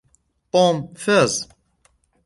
توم فاز.